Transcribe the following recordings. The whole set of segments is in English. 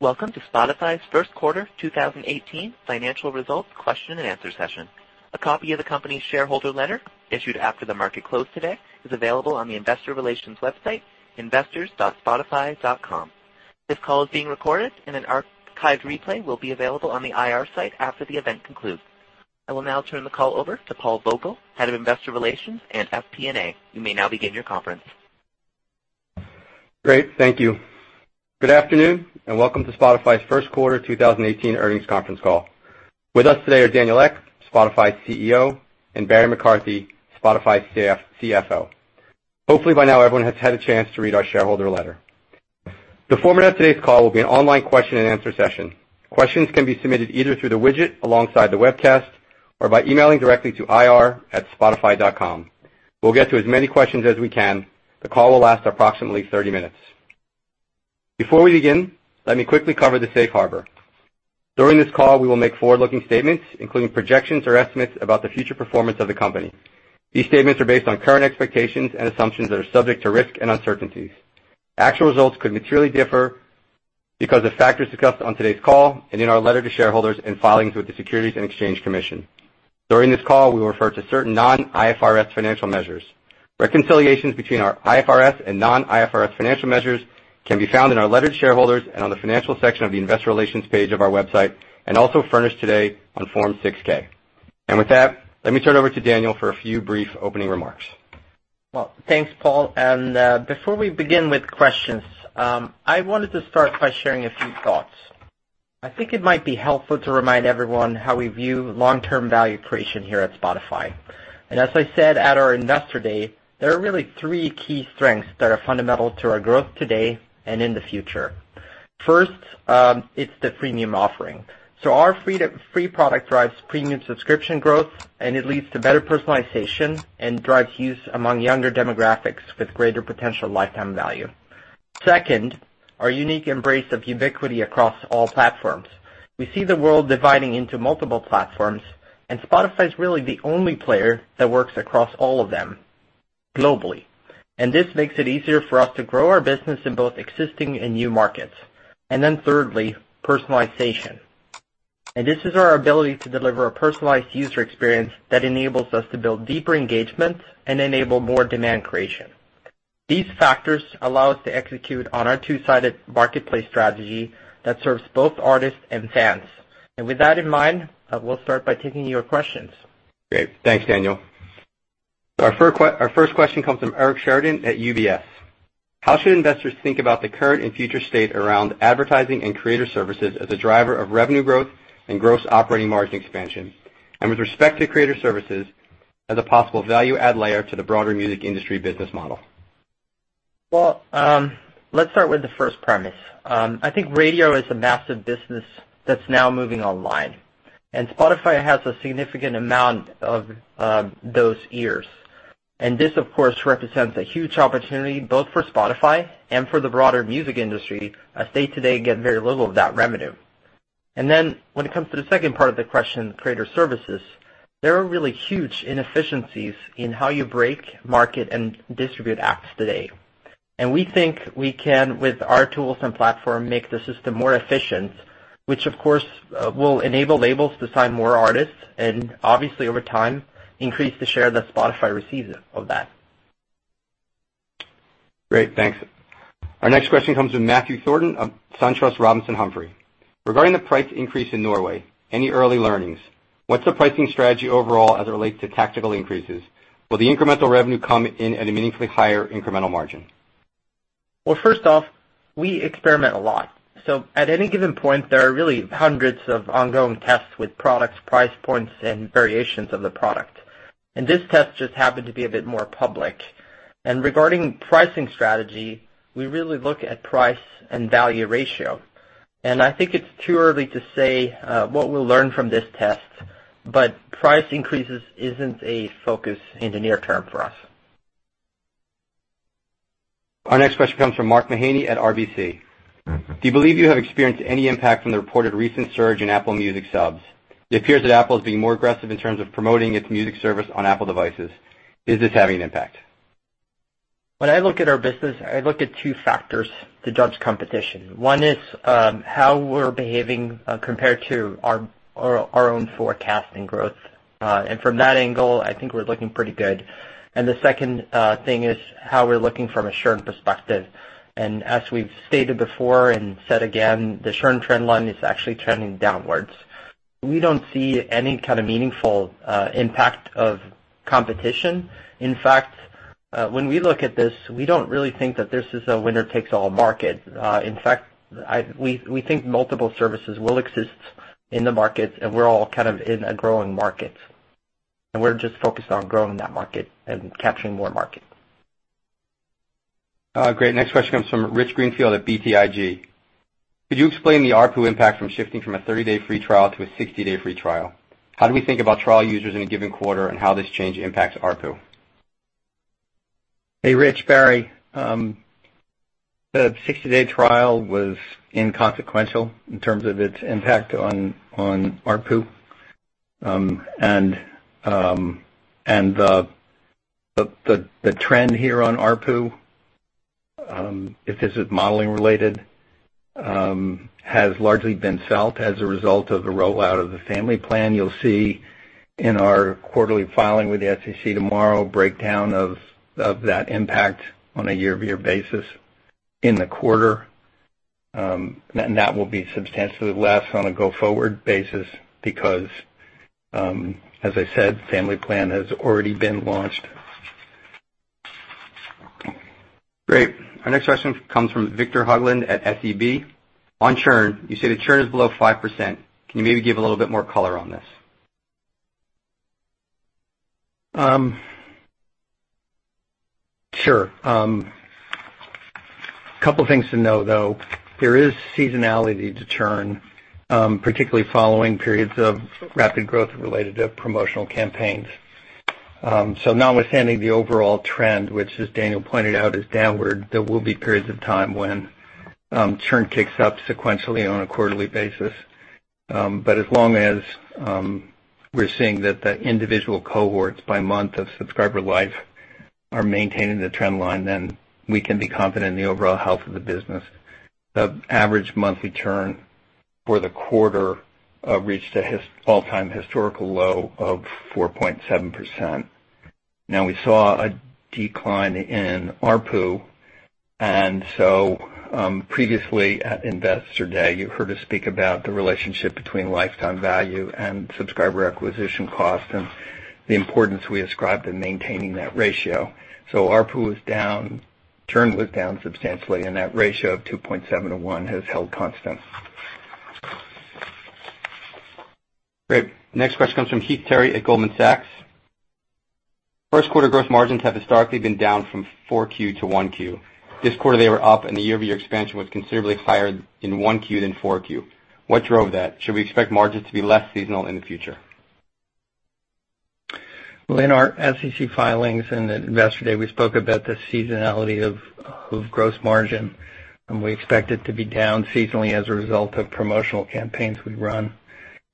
Welcome to Spotify's first quarter 2018 financial results question and answer session. A copy of the company's shareholder letter, issued after the market closed today, is available on the investor relations website, investors.spotify.com. This call is being recorded and an archived replay will be available on the IR site after the event concludes. I will now turn the call over to Paul Vogel, Head of Investor Relations and FP&A. You may now begin your conference. Great. Thank you. Good afternoon. Welcome to Spotify's first quarter 2018 earnings conference call. With us today are Daniel Ek, Spotify's CEO, and Barry McCarthy, Spotify's CFO. Hopefully, by now everyone has had a chance to read our shareholder letter. The format of today's call will be an online question and answer session. Questions can be submitted either through the widget alongside the webcast or by emailing directly to ir@spotify.com. We'll get to as many questions as we can. The call will last approximately 30 minutes. Before we begin, let me quickly cover the safe harbor. During this call, we will make forward-looking statements, including projections or estimates about the future performance of the company. These statements are based on current expectations and assumptions that are subject to risk and uncertainties. Actual results could materially differ because of factors discussed on today's call and in our letter to shareholders and filings with the Securities and Exchange Commission. During this call, we will refer to certain non-IFRS financial measures. Reconciliations between our IFRS and non-IFRS financial measures can be found in our letter to shareholders and on the financial section of the investor relations page of our website and also furnished today on Form 6-K. With that, let me turn it over to Daniel for a few brief opening remarks. Well, thanks, Paul. Before we begin with questions, I wanted to start by sharing a few thoughts. I think it might be helpful to remind everyone how we view long-term value creation here at Spotify. As I said at our investor day, there are really three key strengths that are fundamental to our growth today and in the future. First, it's the premium offering. Our free product drives premium subscription growth, and it leads to better personalization and drives use among younger demographics with greater potential lifetime value. Second, our unique embrace of ubiquity across all platforms. We see the world dividing into multiple platforms, and Spotify is really the only player that works across all of them globally. This makes it easier for us to grow our business in both existing and new markets. Then thirdly, personalization. This is our ability to deliver a personalized user experience that enables us to build deeper engagements and enable more demand creation. These factors allow us to execute on our two-sided marketplace strategy that serves both artists and fans. With that in mind, we'll start by taking your questions. Great. Thanks, Daniel. Our first question comes from Eric Sheridan at UBS. How should investors think about the current and future state around advertising and creator services as a driver of revenue growth and gross operating margin expansion, and with respect to creator services as a possible value-add layer to the broader music industry business model? Well, let's start with the first premise. I think radio is a massive business that's now moving online. Spotify has a significant amount of those ears. This, of course, represents a huge opportunity both for Spotify and for the broader music industry, as they today get very little of that revenue. Then when it comes to the second part of the question, creator services, there are really huge inefficiencies in how you break, market, and distribute apps today. We think we can, with our tools and platform, make the system more efficient, which of course, will enable labels to sign more artists and obviously, over time, increase the share that Spotify receives of that. Great, thanks. Our next question comes from Matthew Thornton of SunTrust Robinson Humphrey. Regarding the price increase in Norway, any early learnings? What's the pricing strategy overall as it relates to tactical increases? Will the incremental revenue come in at a meaningfully higher incremental margin? Well, first off, we experiment a lot. At any given point, there are really hundreds of ongoing tests with products, price points, and variations of the product. This test just happened to be a bit more public. Regarding pricing strategy, we really look at price and value ratio. I think it's too early to say what we'll learn from this test, but price increases isn't a focus in the near term for us. Our next question comes from Mark Mahaney at RBC. Do you believe you have experienced any impact from the reported recent surge in Apple Music subs? It appears that Apple is being more aggressive in terms of promoting its music service on Apple devices. Is this having an impact? When I look at our business, I look at two factors to judge competition. One is how we're behaving compared to our own forecast and growth. From that angle, I think we're looking pretty good. The second thing is how we're looking from a churn perspective. As we've stated before and said again, the churn trend line is actually trending downwards. We don't see any kind of meaningful impact of competition. In fact, when we look at this, we don't really think that this is a winner-takes-all market. In fact, we think multiple services will exist in the market, and we're all kind of in a growing market. We're just focused on growing that market and capturing more market. Great. Next question comes from Rich Greenfield at BTIG. Could you explain the ARPU impact from shifting from a 30-day free trial to a 60-day free trial? How do we think about trial users in a given quarter and how this change impacts ARPU? Hey, Rich. Barry. The 60-day trial was inconsequential in terms of its impact on ARPU. The trend here on ARPU, if this is modeling related, has largely been felt as a result of the rollout of the family plan. You'll see in our quarterly filing with the SEC tomorrow, a breakdown of that impact on a year-over-year basis in the quarter. That will be substantially less on a go-forward basis because, as I said, family plan has already been launched. Great. Our next question comes from Victor Höglund at SEB. On churn, you say the churn is below 5%. Can you maybe give a little bit more color on this? Sure. Couple things to know, though. There is seasonality to churn, particularly following periods of rapid growth related to promotional campaigns. Notwithstanding the overall trend, which, as Daniel pointed out, is downward, there will be periods of time when churn kicks up sequentially on a quarterly basis. As long as we're seeing that the individual cohorts by month of subscriber life are maintaining the trend line, then we can be confident in the overall health of the business. The average monthly churn for the quarter reached a all-time historical low of 4.7%. Now, we saw a decline in ARPU. Previously at Investor Day, you heard us speak about the relationship between lifetime value and subscriber acquisition cost and the importance we ascribe to maintaining that ratio. ARPU was down, churn was down substantially, and that ratio of 2.7 to one has held constant. Great. Next question comes from Heath Terry at Goldman Sachs. First quarter gross margins have historically been down from 4Q to 1Q. This quarter they were up and the year-over-year expansion was considerably higher in 1Q than 4Q. What drove that? Should we expect margins to be less seasonal in the future? Well, in our SEC filings and at Investor Day, we spoke about the seasonality of gross margin, and we expect it to be down seasonally as a result of promotional campaigns we run.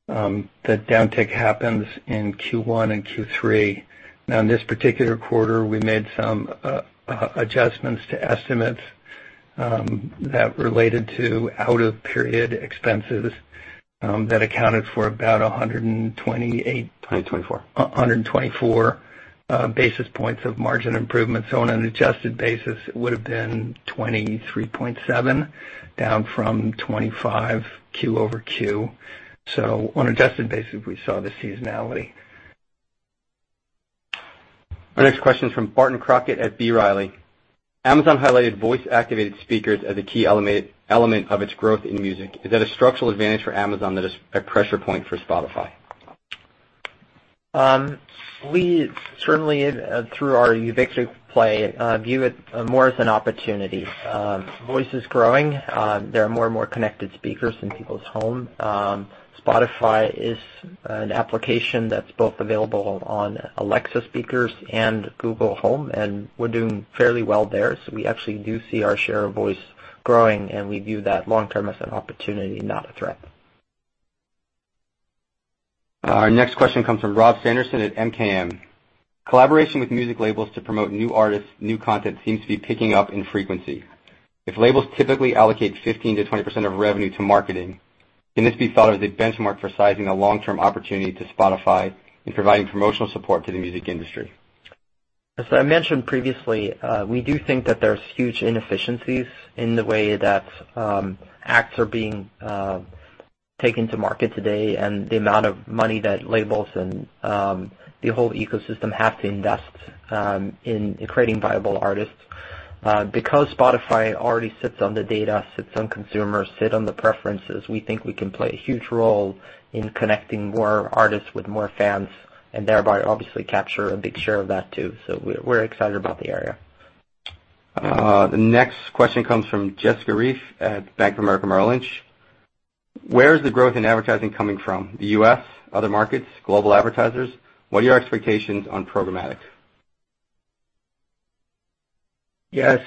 The downtick happens in Q1 and Q3. Now, in this particular quarter, we made some adjustments to estimates that related to out-of-period expenses that accounted for about 128- 124. 124 basis points of margin improvement. On an adjusted basis, it would've been 23.7, down from 25 Q over Q. On adjusted basis, we saw the seasonality. Our next question's from Barton Crockett at B. Riley. Amazon highlighted voice-activated speakers as a key element of its growth in music. Is that a structural advantage for Amazon that is a pressure point for Spotify? We certainly, through our [Ubique] play, view it more as an opportunity. Voice is growing. There are more and more connected speakers in people's home. Spotify is an application that's both available on Alexa speakers and Google Home, and we're doing fairly well there. We actually do see our share of voice growing, and we view that long term as an opportunity, not a threat. Our next question comes from Rob Sanderson at MKM Partners. Collaboration with music labels to promote new artists, new content seems to be picking up in frequency. If labels typically allocate 15%-20% of revenue to marketing, can this be thought of as a benchmark for sizing the long-term opportunity to Spotify Technology in providing promotional support to the music industry? As I mentioned previously, we do think that there's huge inefficiencies in the way that acts are being taken to market today and the amount of money that labels and the whole ecosystem have to invest in creating viable artists. Because Spotify Technology already sits on the data, sits on consumers, sit on the preferences, we think we can play a huge role in connecting more artists with more fans, and thereby obviously capture a big share of that, too. We're excited about the area. The next question comes from Jessica Reif at Bank of America Merrill Lynch. Where is the growth in advertising coming from? The U.S.? Other markets? Global advertisers? What are your expectations on programmatic? Yes.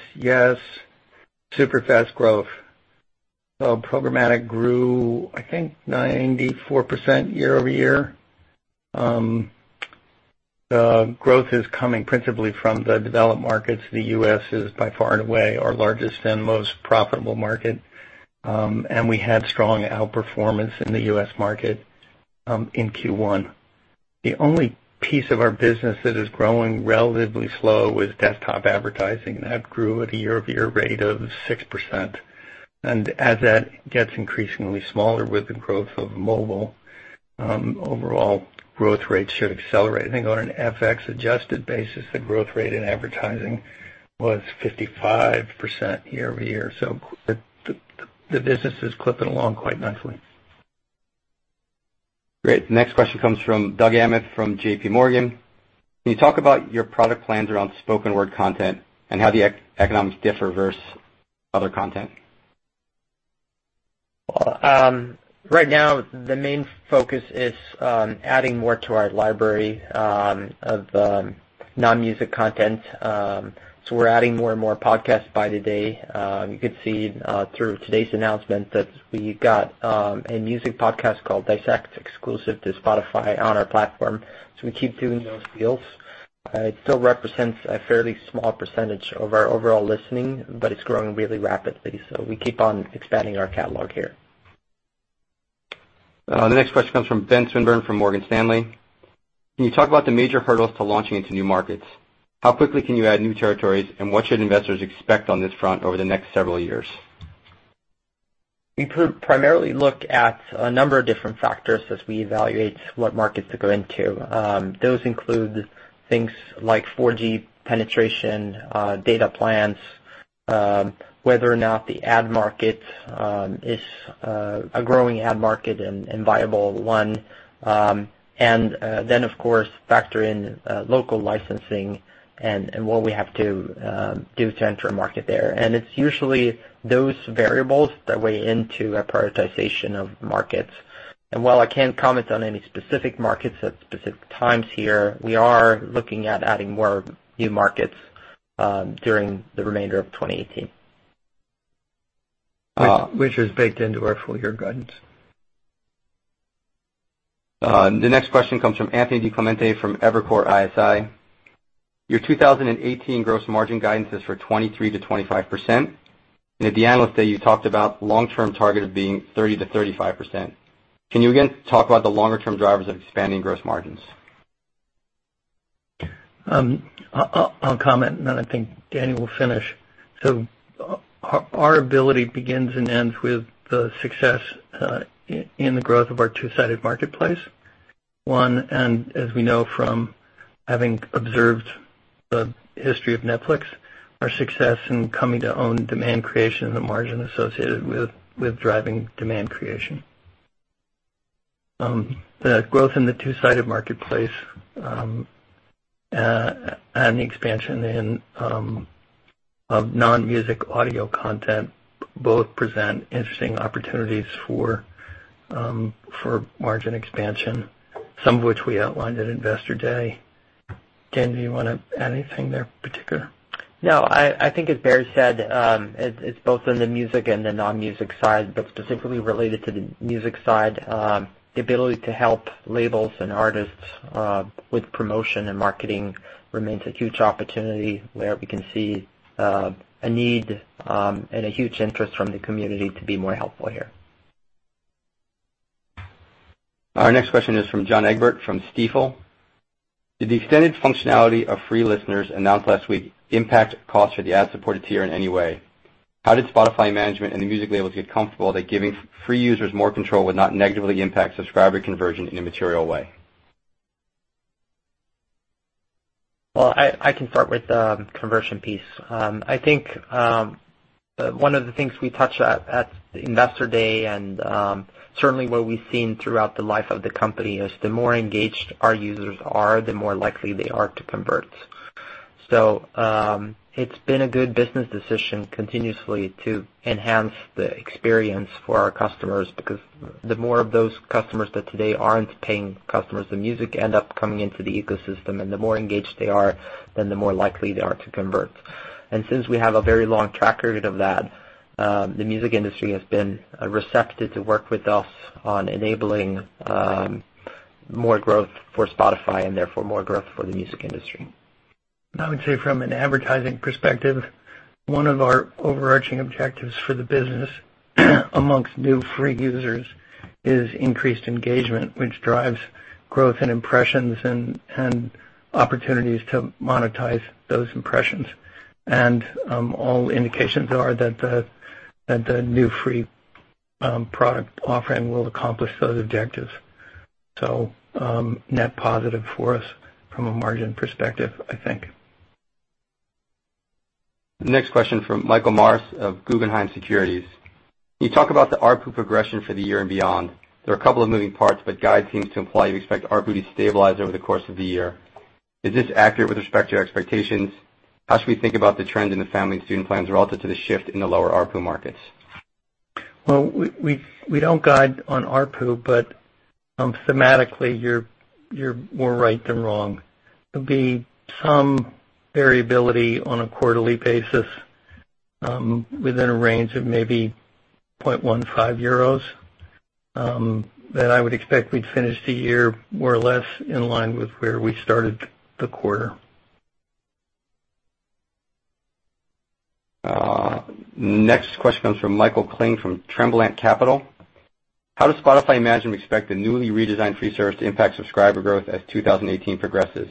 Super fast growth. Programmatic grew, I think 94% year-over-year. The growth is coming principally from the developed markets. The U.S. is by far and away our largest and most profitable market. We had strong outperformance in the U.S. market, in Q1. The only piece of our business that is growing relatively slow is desktop advertising. That grew at a year-over-year rate of 6%. As that gets increasingly smaller with the growth of mobile, overall growth rates should accelerate. I think on an FX-adjusted basis, the growth rate in advertising was 55% year-over-year. The business is clipping along quite nicely. Great. The next question comes from Doug Anmuth from JP Morgan. Can you talk about your product plans around spoken word content and how the economics differ versus other content? Well, right now the main focus is on adding more to our library of non-music content. We're adding more and more podcasts by the day. You could see through today's announcement that we got a music podcast called Dissect exclusive to Spotify on our platform. We keep doing those deals. It still represents a fairly small % of our overall listening, but it's growing really rapidly, we keep on expanding our catalog here. The next question comes from Ben Swinburne from Morgan Stanley. Can you talk about the major hurdles to launching into new markets? How quickly can you add new territories, and what should investors expect on this front over the next several years? We primarily look at a number of different factors as we evaluate what markets to go into. Those include things like 4G penetration, data plans, whether or not the ad market is a growing ad market and viable one. Then of course, factor in local licensing and what we have to do to enter a market there. It's usually those variables that weigh into a prioritization of markets. While I can't comment on any specific markets at specific times here, we are looking at adding more new markets during the remainder of 2018. Which is baked into our full-year guidance. The next question comes from Anthony DiClemente from Evercore ISI. Your 2018 gross margin guidance is for 23%-25%, and at the analyst day, you talked about long-term target of being 30%-35%. Can you again talk about the longer-term drivers of expanding gross margins? I'll comment, and then I think Daniel will finish. Our ability begins and ends with the success in the growth of our two-sided marketplace. One, as we know from having observed the history of Netflix, our success in coming to own demand creation and the margin associated with driving demand creation. The growth in the two-sided marketplace, and the expansion of non-music audio content, both present interesting opportunities for margin expansion, some of which we outlined at investor day. Daniel, do you want to add anything there particular? I think as Barry said, it's both in the music and the non-music side, but specifically related to the music side. The ability to help labels and artists with promotion and marketing remains a huge opportunity where we can see a need and a huge interest from the community to be more helpful here. Our next question is from John Egbert, from Stifel. Did the extended functionality of free listeners announced last week impact cost for the ad-supported tier in any way? How did Spotify management and the music labels get comfortable that giving free users more control would not negatively impact subscriber conversion in a material way? Well, I can start with the conversion piece. I think one of the things we touched at Investor Day and certainly what we've seen throughout the life of the company is the more engaged our users are, the more likely they are to convert. It's been a good business decision continuously to enhance the experience for our customers because the more of those customers that today aren't paying customers, the music end up coming into the ecosystem. The more engaged they are, then the more likely they are to convert. Since we have a very long track record of that, the music industry has been receptive to work with us on enabling more growth for Spotify and therefore more growth for the music industry. I would say from an advertising perspective, one of our overarching objectives for the business amongst new free users is increased engagement, which drives growth and impressions and opportunities to monetize those impressions. All indications are that the new free product offering will accomplish those objectives. Net positive for us from a margin perspective, I think. Next question from Michael Morris of Guggenheim Securities. Can you talk about the ARPU progression for the year and beyond? There are a couple of moving parts, guide seems to imply you expect ARPU to stabilize over the course of the year. Is this accurate with respect to your expectations? How should we think about the trend in the family and student plans relative to the shift in the lower ARPU markets? We don't guide on ARPU, but thematically, you are more right than wrong. There will be some variability on a quarterly basis, within a range of maybe 0.15 euros, that I would expect we would finish the year more or less in line with where we started the quarter. Next question comes from Michael Klenk from Tremblant Capital. How does Spotify management expect the newly redesigned free service to impact subscriber growth as 2018 progresses?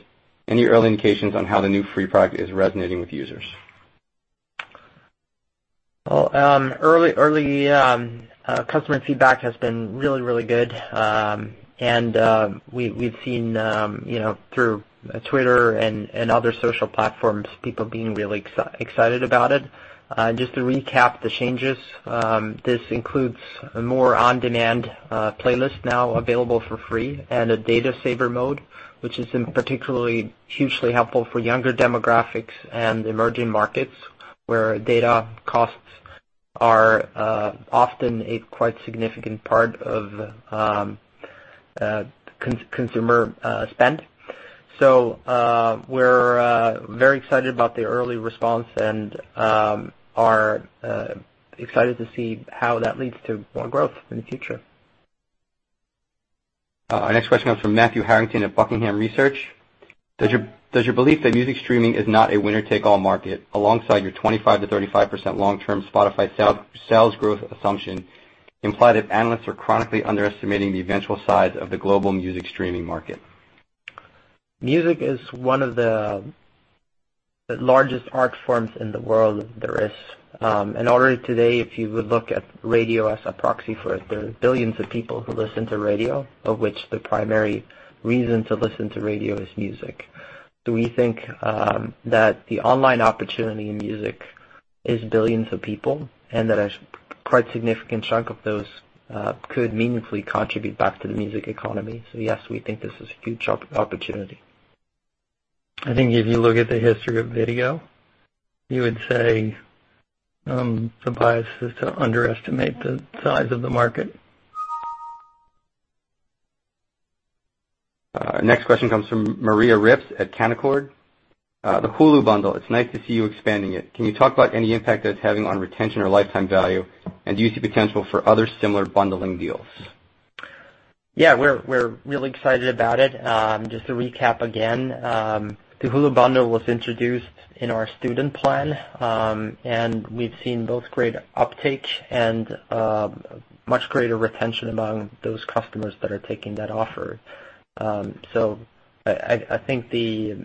Any early indications on how the new free product is resonating with users? Early customer feedback has been really good. We have seen through Twitter and other social platforms, people being really excited about it. Just to recap the changes, this includes more on-demand playlists now available for free and a data saver mode, which has been particularly hugely helpful for younger demographics and emerging markets where data costs are often a quite significant part of consumer spend. We are very excited about the early response and are excited to see how that leads to more growth in the future. Our next question comes from Matthew Harrigan at Buckingham Research. Does your belief that music streaming is not a winner-take-all market alongside your 25%-35% long-term Spotify sales growth assumption imply that analysts are chronically underestimating the eventual size of the global music streaming market? Music is one of the largest art forms in the world there is. Already today, if you would look at radio as a proxy for it, there are billions of people who listen to radio, of which the primary reason to listen to radio is music. We think that the online opportunity in music is billions of people, and that a quite significant chunk of those could meaningfully contribute back to the music economy. Yes, we think this is a huge opportunity. I think if you look at the history of video, you would say the bias is to underestimate the size of the market. Next question comes from Maria Ripps at Canaccord. The Hulu bundle, it's nice to see you expanding it. Can you talk about any impact that it's having on retention or lifetime value? Do you see potential for other similar bundling deals? Yeah. We're really excited about it. Just to recap again, the Hulu bundle was introduced in our student plan, we've seen both great uptake and much greater retention among those customers that are taking that offer. I think the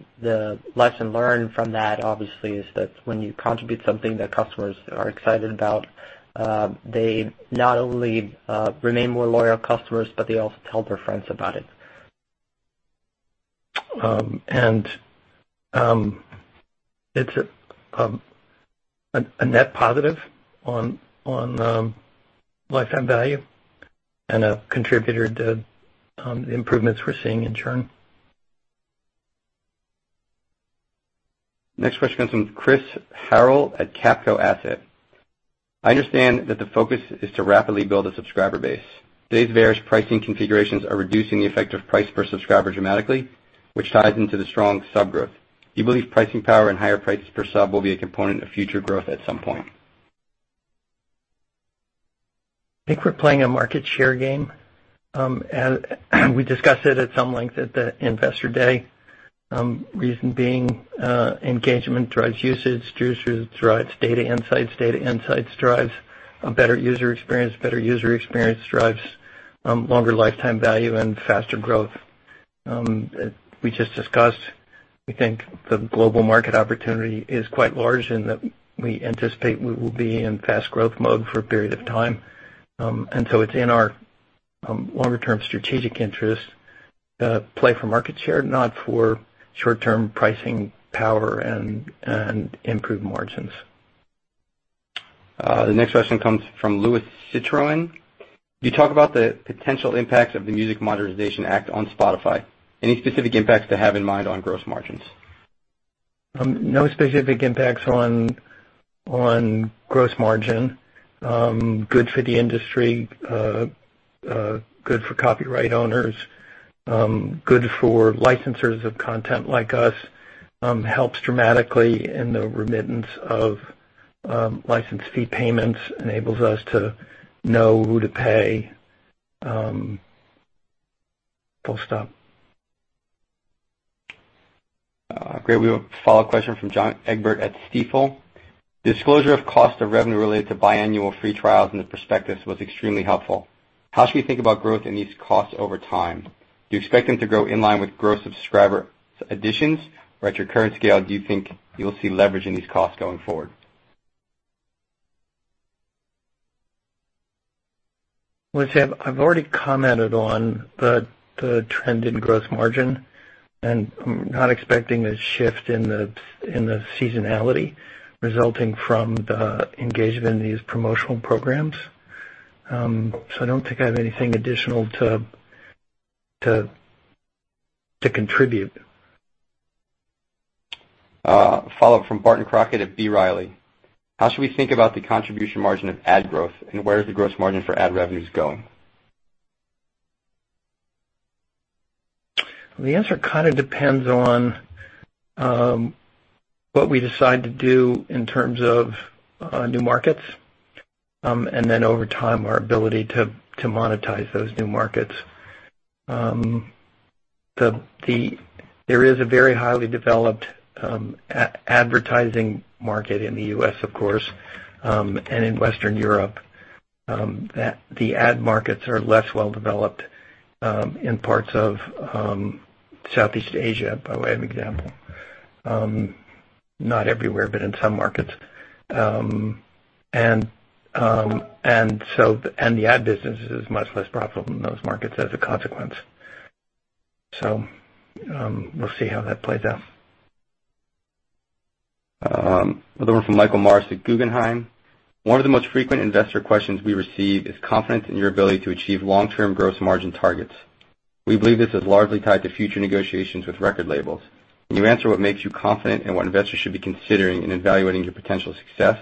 lesson learned from that, obviously, is that when you contribute something that customers are excited about, they not only remain more loyal customers, but they also tell their friends about it. It's a net positive on lifetime value and a contributor to the improvements we're seeing in churn. Next question comes from Chris Harrell at Capco Asset. "I understand that the focus is to rapidly build a subscriber base. Today's various pricing configurations are reducing the effect of price per sub dramatically, which ties into the strong sub growth. Do you believe pricing power and higher prices per sub will be a component of future growth at some point? I think we're playing a market share game. We discussed it at some length at the Investor Day. Reason being, engagement drives usage. Usage drives data insights. Data insights drives a better user experience. Better user experience drives longer lifetime value and faster growth. We just discussed, we think the global market opportunity is quite large and that we anticipate we will be in fast growth mode for a period of time. So it's in our longer-term strategic interest to play for market share, not for short-term pricing power and improved margins. The next question comes from Louis Citroen. "You talk about the potential impacts of the Music Modernization Act on Spotify. Any specific impacts to have in mind on gross margins? No specific impacts on gross margin. Good for the industry, good for copyright owners, good for licensors of content like us. Helps dramatically in the remittance of license fee payments, enables us to know who to pay. Full stop. Great. We have a follow-up question from John Egbert at Stifel. "Disclosure of cost of revenue related to biannual free trials in the prospectus was extremely helpful. How should we think about growth in these costs over time? Do you expect them to grow in line with gross subscriber additions? At your current scale, do you think you'll see leverage in these costs going forward? I would say I've already commented on the trend in gross margin, and I'm not expecting a shift in the seasonality resulting from the engagement in these promotional programs. I don't think I have anything additional to contribute. A follow-up from Barton Crockett at B. Riley. "How should we think about the contribution margin of ad growth, and where is the gross margin for ad revenues going? The answer kind of depends on what we decide to do in terms of new markets, and then over time, our ability to monetize those new markets. There is a very highly developed advertising market in the U.S., of course, and in Western Europe. The ad markets are less well-developed in parts of Southeast Asia, by way of example. Not everywhere, but in some markets. The ad business is much less profitable in those markets as a consequence. We'll see how that plays out. Another one from Michael Morris at Guggenheim. "One of the most frequent investor questions we receive is confidence in your ability to achieve long-term gross margin targets. We believe this is largely tied to future negotiations with record labels. Can you answer what makes you confident and what investors should be considering in evaluating your potential success?"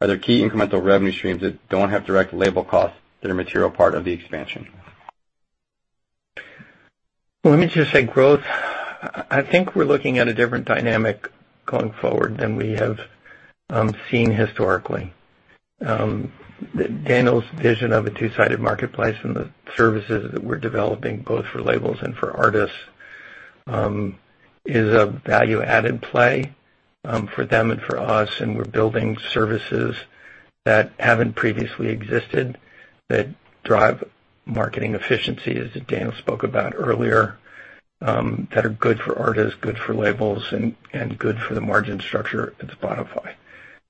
Are there key incremental revenue streams that don't have direct labor costs that are a material part of the expansion? Well, let me just say growth. I think we're looking at a different dynamic going forward than we have seen historically. Daniel's vision of a two-sided marketplace and the services that we're developing, both for labels and for artists, is a value-added play for them and for us, and we're building services that haven't previously existed that drive marketing efficiency, as Daniel spoke about earlier, that are good for artists, good for labels and good for the margin structure at Spotify.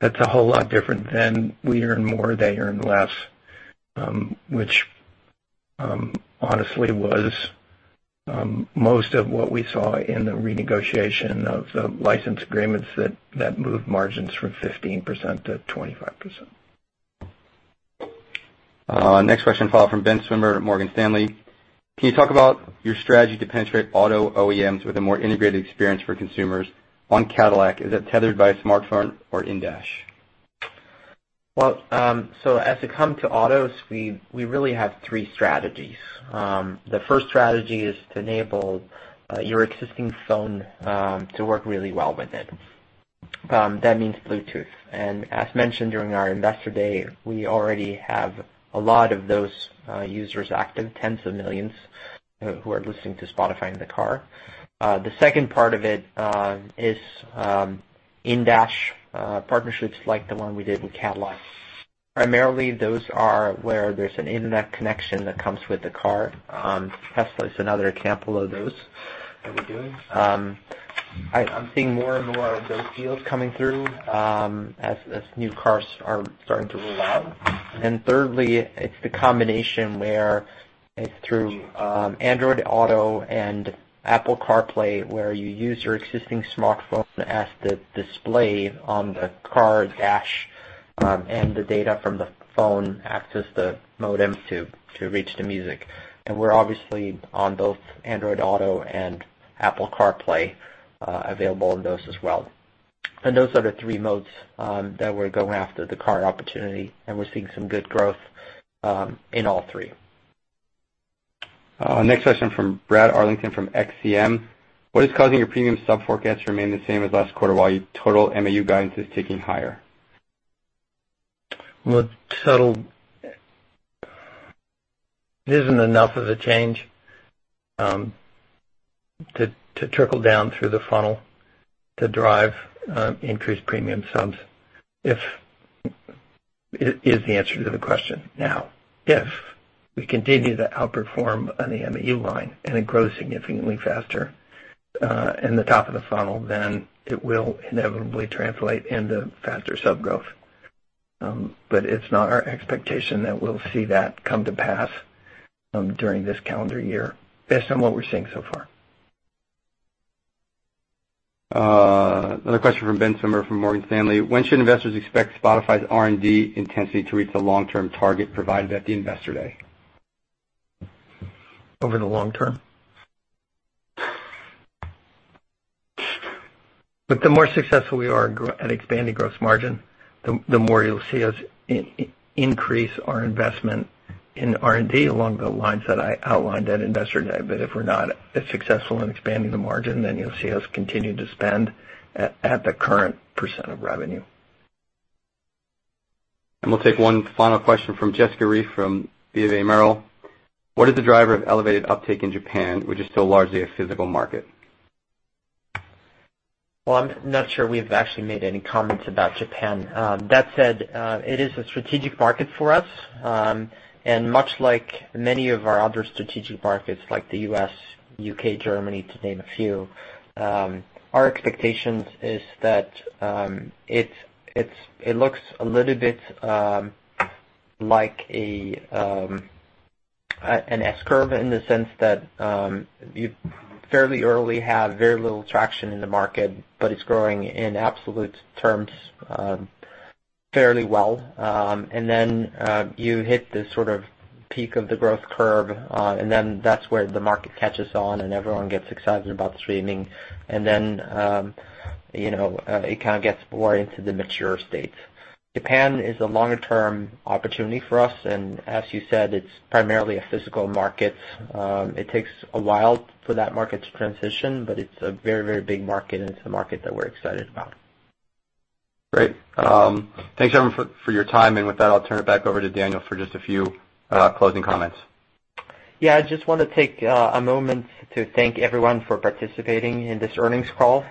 That's a whole lot different than we earn more, they earn less. Which, honestly, was most of what we saw in the renegotiation of the license agreements that moved margins from 15%-25%. Next question follow from Ben Swinburne at Morgan Stanley. Can you talk about your strategy to penetrate auto OEMs with a more integrated experience for consumers on Cadillac? Is that tethered by a smartphone or in-dash? As to come to autos, we really have three strategies. The first strategy is to enable your existing phone to work really well with it. That means Bluetooth. As mentioned during our investor day, we already have a lot of those users active, tens of millions who are listening to Spotify in the car. The second part of it is in-dash partnerships like the one we did with Cadillac. Primarily, those are where there is an internet connection that comes with the car. Tesla is another example of those that we are doing. I'm seeing more and more of those deals coming through as new cars are starting to roll out. Thirdly, it's the combination where it's through Android Auto and Apple CarPlay, where you use your existing smartphone as the display on the car dash and the data from the phone acts as the modem to reach the music. We are obviously on both Android Auto and Apple CarPlay available in those as well. Those are the three modes that we are going after the car opportunity, and we are seeing some good growth in all three. Next question from Brad Arlington from XCM. What is causing your premium sub forecasts to remain the same as last quarter while your total MAU guidance is ticking higher? Total isn't enough of a change to trickle down through the funnel to drive increased premium subs is the answer to the question. If we continue to outperform on the MAU line and it grows significantly faster in the top of the funnel, then it will inevitably translate into faster sub growth. It's not our expectation that we will see that come to pass during this calendar year based on what we are seeing so far. Another question from Ben Swinburne from Morgan Stanley. When should investors expect Spotify's R&D intensity to reach the long-term target provided at the Investor Day? Over the long term. The more successful we are at expanding gross margin, the more you'll see us increase our investment in R&D along the lines that I outlined at Investor Day. If we're not as successful in expanding the margin, then you'll see us continue to spend at the current % of revenue. We'll take one final question from Jessica Reif from B of A Merrill. What is the driver of elevated uptake in Japan, which is still largely a physical market? Well, I'm not sure we've actually made any comments about Japan. That said, it is a strategic market for us, and much like many of our other strategic markets, like the U.S., U.K., Germany, to name a few, our expectations is that it looks a little bit like an S-curve in the sense that you fairly early have very little traction in the market, but it's growing in absolute terms fairly well. Then you hit this sort of peak of the growth curve, then that's where the market catches on and everyone gets excited about streaming. Then it kind of gets more into the mature state. Japan is a longer-term opportunity for us, and as you said, it's primarily a physical market. It takes a while for that market to transition, but it's a very big market, and it's a market that we're excited about. Great. Thanks, everyone for your time. With that, I'll turn it back over to Daniel for just a few closing comments. Yeah, I just want to take a moment to thank everyone for participating in this earnings call.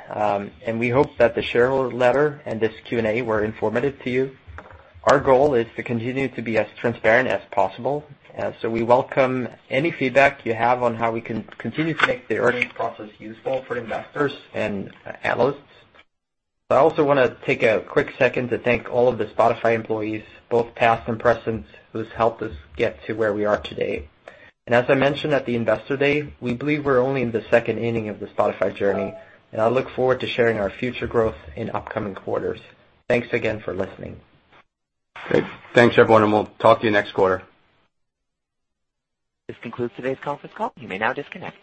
We hope that the shareholder letter and this Q&A were informative to you. Our goal is to continue to be as transparent as possible. We welcome any feedback you have on how we can continue to make the earnings process useful for investors and analysts. I also want to take a quick second to thank all of the Spotify employees, both past and present, who have helped us get to where we are today. As I mentioned at the Investor Day, we believe we're only in the second inning of the Spotify journey, and I look forward to sharing our future growth in upcoming quarters. Thanks again for listening. Great. Thanks, everyone. We'll talk to you next quarter. This concludes today's conference call. You may now disconnect.